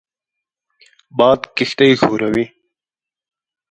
باد کښتۍ ښوروي